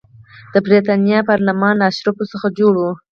د برېټانیا پارلمان له اشرافو څخه جوړ و.